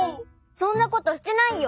そんなことしてないよ！